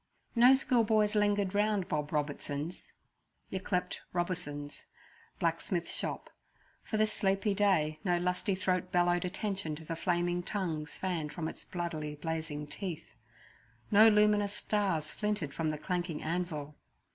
No schoolboys lingered round Bob Robertson's (yclept Roberson's) blacksmith's shop, for this sleepy day no lusty throat bellowed attention to the flaming tongues fanned from its bloodily blazing teeth; no luminous stars flinted from the clanking anvil.